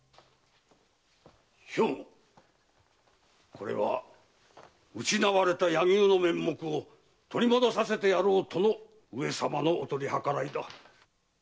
これは失われた柳生の面目を取り戻させてやろうとの上様のお取り計らいだ。